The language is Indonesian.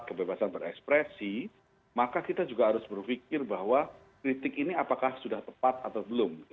kebebasan berekspresi maka kita juga harus berpikir bahwa kritik ini apakah sudah tepat atau belum